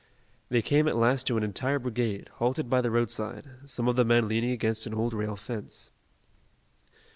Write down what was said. They came at last to an entire brigade, halted by the roadside, some of the men leaning against an old rail fence.